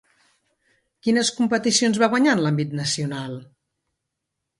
Quines competicions va guanyar en l'àmbit nacional?